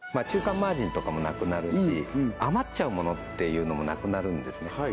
中間マージンとかもなくなるし余っちゃうものっていうのもなくなるんですね